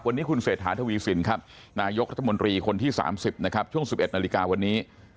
วันนี้คุณเศรษฐาทวีสินครับนายกรัฐมนตรีคนที่๓๐นะครับช่วง๑๑นาฬิกาวันนี้